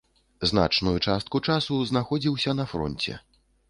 Значную частку часу знаходзіўся на фронце.